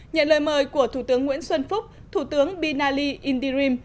nhận lời mời của thủ tướng nguyễn xuân phúc thủ tướng binali indirim